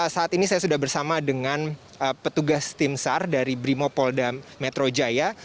saat ini saya sudah bersama dengan petugas tim sar dari brimopolda metro jaya